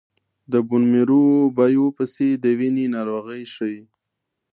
د بون میرو بایوپسي د وینې ناروغۍ ښيي.